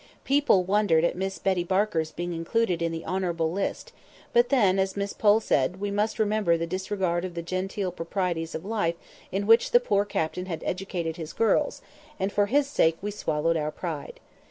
People wondered at Miss Betty Barker's being included in the honourable list; but, then, as Miss Pole said, we must remember the disregard of the genteel proprieties of life in which the poor captain had educated his girls, and for his sake we swallowed our pride.